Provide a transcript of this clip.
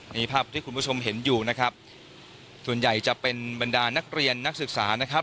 นี่ภาพที่คุณผู้ชมเห็นอยู่นะครับส่วนใหญ่จะเป็นบรรดานักเรียนนักศึกษานะครับ